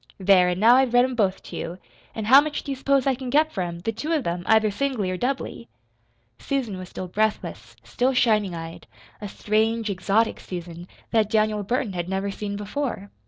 There! an' now I've read 'em both to you an' how much do you s'pose I can get for 'em the two of 'em, either singly or doubly?" Susan was still breathless, still shining eyed a strange, exotic Susan, that Daniel Burton had never seen before.